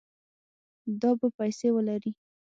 دا به پیسې ولري